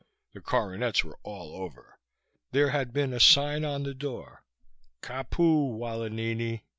The coronets were all over. There had been a sign on the door: KAPU, WALIHINI!